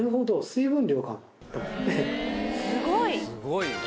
すごい！